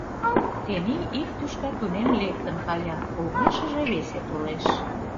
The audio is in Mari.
Тений ик тӱшка тунем лектын кая, олмешыже весе толеш.